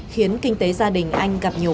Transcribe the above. khiến kinh tế gia đình anh gặp nhiều